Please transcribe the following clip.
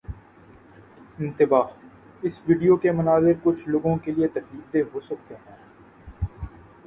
انتباہ: اس ویڈیو کے مناظر کچھ لوگوں کے لیے تکلیف دہ ہو سکتے ہیں